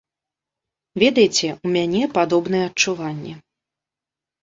Ведаеце, у мяне падобныя адчуванні.